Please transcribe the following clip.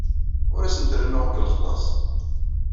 Ur asent-rennuɣ deg lexlaṣ.